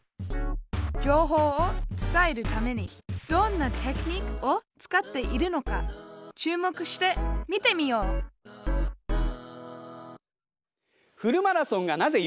情報を伝えるためにどんなテクニックを使っているのか注目して見てみようフルマラソンがなぜ４２．１９５